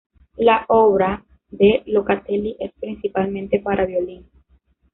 La obra de Locatelli es principalmente para violín.